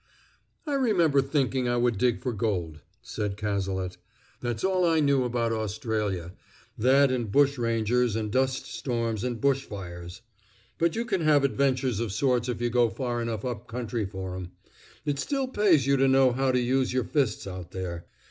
"I remember thinking I would dig for gold," said Cazalet. "That's all I knew about Australia; that and bushrangers and dust storms and bush fires! But you can have adventures of sorts if you go far enough up country for 'em; it still pays you to know how to use your fists out there.